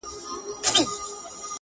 ستا د هيندارو په لاسونو کي به ځان ووينم.